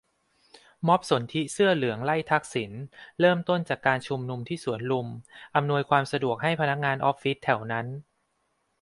ม็อบสนธิเสื้อเหลืองไล่ทักษิณ เริ่มต้นจากการชุมนุมที่สวนลุม อำนวยความสะดวกให้พนักงานออฟฟิศแถวนั้น